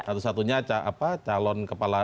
satu satunya calon kepala